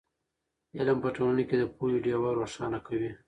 علم په ټولنه کې د پوهې ډېوه روښانه کوي.